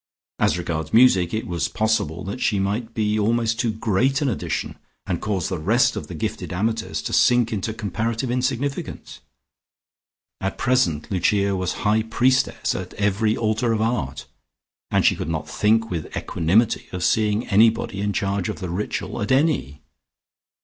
As regards music, it was possible that she might be almost too great an addition, and cause the rest of the gifted amateurs to sink into comparative insignificance. At present Lucia was high priestess at every altar of Art, and she could not think with equanimity of seeing anybody in charge of the ritual at any.